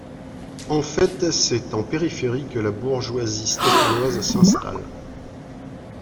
En fait, c'est en périphérie que la bourgeoisie stéphanoise s'installe.